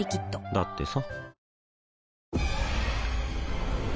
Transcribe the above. だってさ